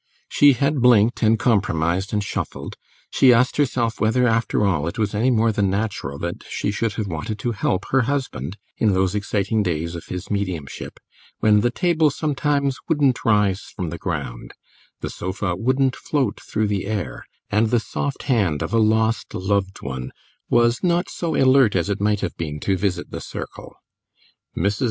She had blinked and compromised and shuffled; she asked herself whether, after all, it was any more than natural that she should have wanted to help her husband, in those exciting days of his mediumship, when the table, sometimes, wouldn't rise from the ground, the sofa wouldn't float through the air, and the soft hand of a lost loved one was not so alert as it might have been to visit the circle. Mrs.